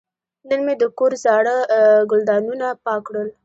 نن مې د کور زاړه ګلدانونه پاک کړل.